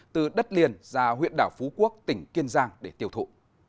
từ đất liền ra huyện đảo phú quốc tỉnh kiên giang để tiêu thụ